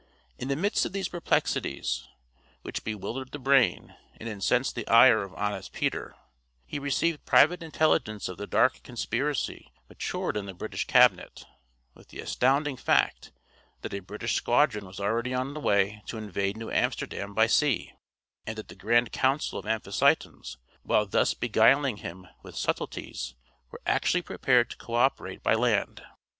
In the midst of these perplexities, which bewildered the brain and incensed the ire of honest Peter, he received private intelligence of the dark conspiracy matured in the British Cabinet, with the astounding fact that a British squadron was already on the way to invade New Amsterdam by sea, and that the grand council of Amphictyons, while thus beguiling him with subtleties, were actually prepared to co operate by land!